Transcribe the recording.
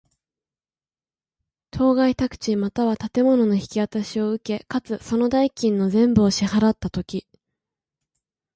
当該宅地又は建物の引渡しを受け、かつ、その代金の全部を支払つたとき。